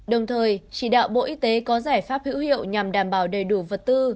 đồng thời chỉ đạo bộ y tế có giải pháp hữu hiệu nhằm đảm bảo đầy đủ vật tư